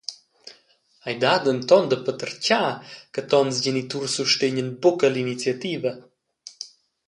Ei dat denton da patertgar che tons geniturs sustegnan buca l’iniziativa.